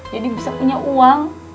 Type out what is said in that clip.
jadi bisa punya uang